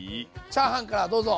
チャーハンからどうぞ！